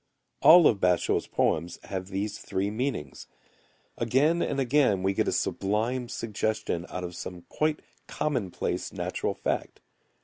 All of Basho[u]'s poems have these three meanings. Again and again we get a sublime suggestion out of some quite commonplace natural fact.